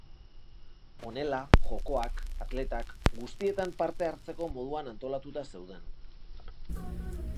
Honela, jokoak, atletak, guztietan parte hartzeko moduan antolatuta zeuden.